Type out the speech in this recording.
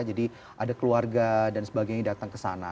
jadi ada keluarga dan sebagainya datang ke sana